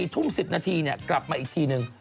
ทุ่มสิบนาทีเนี่ยกลับมาอีกทีนึง